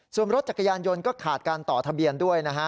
ส่วนรถจักรยานยนต์ก็ขาดการต่อทะเบียนด้วยนะฮะ